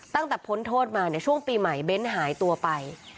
ตั้งแต่พ้นโทษมาช่วงปีใหม่เบ้นท์หายตัวไป